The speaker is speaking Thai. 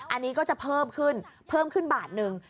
อันนี้ก็จะเพิ่มขึ้นเพิ่มขึ้นบาทหนึ่ง